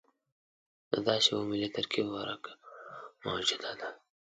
د داسې یوه ملي ترکیب ورکه موجوده ده.